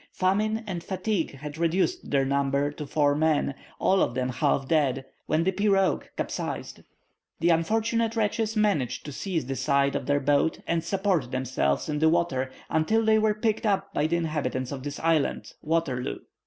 Famine and fatigue had reduced their number to four men, all of them half dead, when the pirogue capsized. The unfortunate wretches managed to seize the side of their boat and support themselves in the water until they were picked up by the inhabitants of this island, Wateroo.